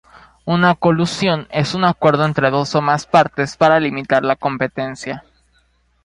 Una colusión es un acuerdo entre dos o más partes para limitar la competencia.